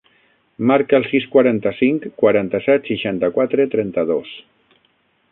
Marca el sis, quaranta-cinc, quaranta-set, seixanta-quatre, trenta-dos.